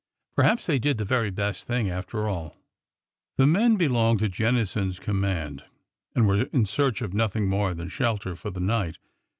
Perhaps they did the very best thing, after all. The men belonged to Jennison's command, and were in search of nothing more than shelter for the night.